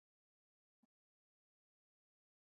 کانديد اکاډميسن عطايی د ژبني شتمنیو ژغورنه مهمه ګڼله.